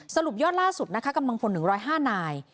สรุปยอดล่าสุดนะคะกำลังพล๑๐๕นาย